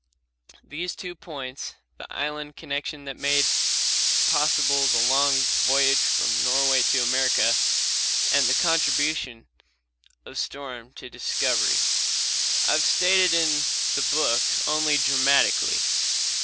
These two points, the island connection that made possible the long voyage from Norway to America, and the contribution of storm to discovery, I have stated in the book only dramatically.